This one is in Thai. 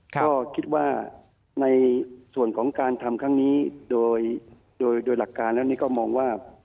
ก็คิดว่าในส่วนของการทำครั้งนี้โดยหลักการแล้วนี่ก็มองว่า